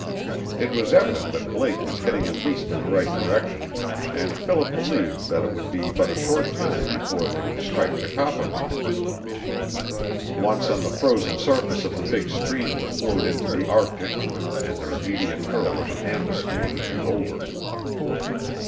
It was evident that Blake was heading at least in the right direction and Philip believed that it would be but a short time before they would strike the Coppermine. Once on the frozen surface of the big stream that flowed into the Arctic and their immediate peril of an ambuscade would be over.